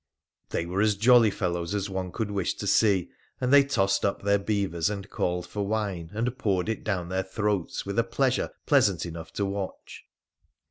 They were as jolly fellows as one could wish to see, and they tossed up their beavers and called for wine and poured it down their throats with a pleasure pleasant enough to watch.